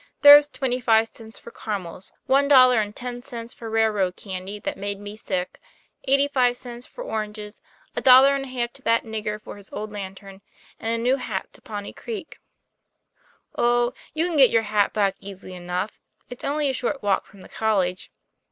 " There's twenty five cents for caramels, one dollar and ten cents for railroad candy that made me sick, eighty five cents for oranges, a dollar and a half to that nigger for his old lantern, and a new hat to Pawnee Creek." ' Oh, you can get your hat back easily enough. It's only a short walk from the College.